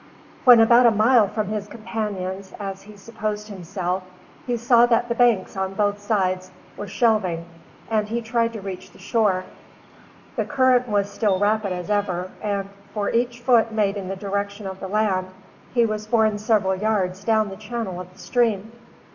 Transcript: When about a mile from his companions, as he supposed himself, he saw that the banks on both sides were shelving and he tried to reach the shore. The current was still rapid as ever, and for each foot made in the direction of the land, he was borne several yards down the channel of the stream.